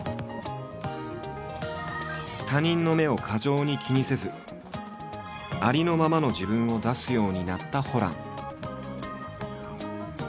他人の目を過剰に気にせずありのままの自分を出すようになったホラン。